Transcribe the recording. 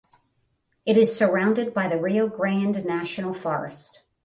It is surrounded by the Rio Grande National Forest.